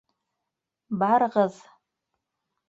Барығыҙ!